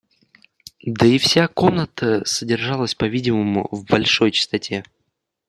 Да и вся комната содержалась, по-видимому, в большой чистоте.